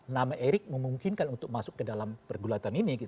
nama erik memungkinkan untuk masuk ke dalam pergulatan ini